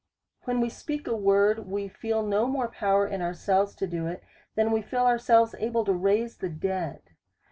When we speak a word, we feel no more power in ourselves to do it, than we feel ourselves able to raise the dead.